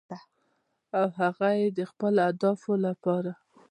او هغه یې د خپلو اهدافو لپاره